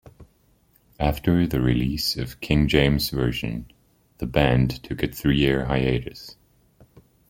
After the release of "King James Version", the band took a three-year hiatus.